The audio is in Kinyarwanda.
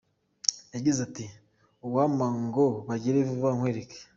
Yagize ati “Uwampa ngo babigire vuba nkwereke.